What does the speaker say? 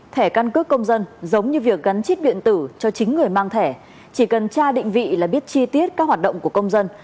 thẻ căn cước công dân giống như việc gắn chip điện tử cho chính người mang thẻ chỉ cần tra định vị là biết chi tiết các hoạt động của công dân